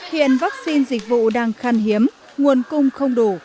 hiện vaccine dịch vụ đang khăn hiếm nguồn cung không đủ